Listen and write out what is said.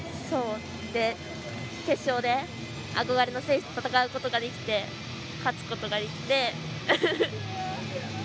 決勝で、憧れの選手と戦うことができて勝つことができて。